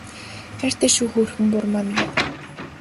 Хайртай шүү хөөрхөн бурмаа минь